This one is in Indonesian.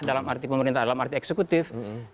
dalam arti pemerintah dalam arti eksekutif